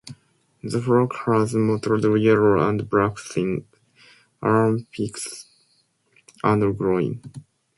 The frog has mottled yellow and black thighs, armpits, and groin.